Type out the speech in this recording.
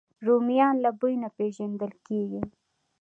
رومیان له بوی نه پېژندل کېږي